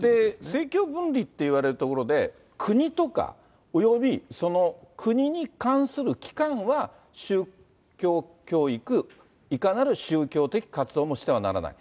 政教分離っていわれるところで、国とか、および国に関する機関は宗教教育、いかなる宗教的活動もしてはならない。